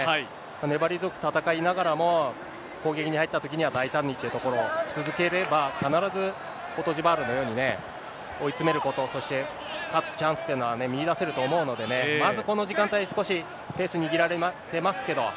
粘り強く戦いながらも、攻撃に入ったときには、大胆にというところ、続ければ、必ずコートジボワールのように追い詰めること、そして勝つチャンスというのは見いだせると思うのでね、まずこの時間帯、少しペース握られてます